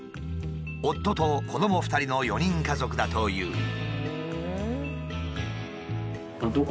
夫と子ども２人の４人家族だという。